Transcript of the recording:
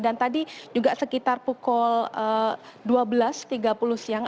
dan tadi juga sekitar pukul dua belas tiga puluh siang